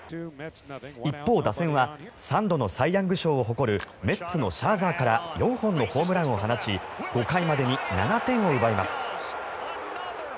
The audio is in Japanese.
一方、打線は３度のサイ・ヤング賞を誇るメッツのシャーザーから４本のホームランを放ち５回までに７点を奪います。